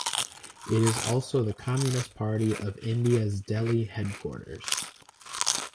It is also the Communist Party of India's Delhi headquarters.